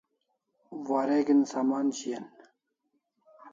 Wareg'in sman shian